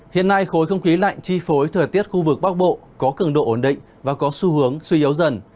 hiện nay khối không khí lạnh chi phối thời tiết khu vực bắc bộ có cường độ ổn định và có xu hướng suy yếu dần